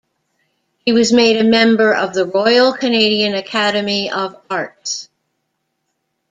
He was made a member of the Royal Canadian Academy of Arts.